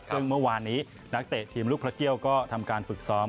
ซึ่งเมื่อวานนี้นักเตะทีมลูกพระเกี่ยวก็ทำการฝึกซ้อม